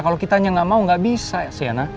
kalau kitanya gak mau gak bisa sienna